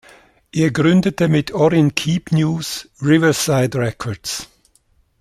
Er gründete mit Orrin Keepnews Riverside Records.